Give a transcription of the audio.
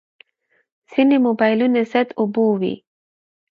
ځینې موبایلونه ضد اوبو وي.